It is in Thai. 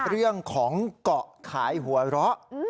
เรื่องของเกาะขายหัวเราะ